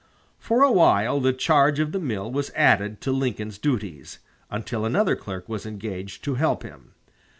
For a while the charge of the mill was added to Lincoln's duties, until another clerk was engaged to help him.